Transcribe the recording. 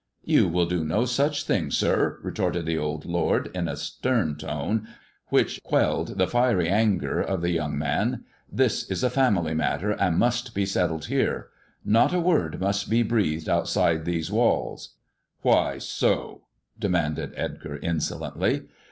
" You will do no such thing, sir," retorted the old lord, in a stern tone which quelled the fiery anger of the young man ;this is a family matter and must be settled here. Not a word must be breathed outside these walls." " Why so ]" demanded Edgar insolently.